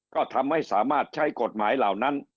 ก็ทำให้สามารถใช้กฎหมายเหล่านั้น